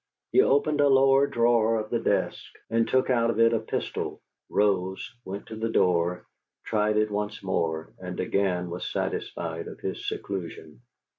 He opened a lower drawer of the desk and took out of it a pistol; rose, went to the door, tried it once more, and again was satisfied of his seclusion.